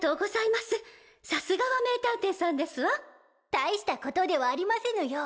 大したことではありませぬよ。